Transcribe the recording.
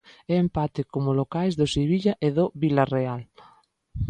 E empate como locais do Sevilla e do Vilarreal.